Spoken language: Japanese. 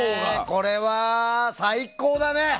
これは最高だね。